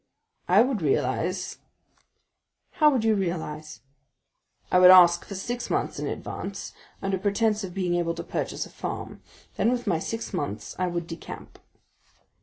"I would realize——" "How would you realize?" "I would ask for six months' in advance, under pretence of being able to purchase a farm, then with my six months I would decamp."